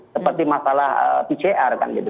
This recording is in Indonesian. seperti masalah pcr kan gitu